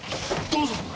どうぞ。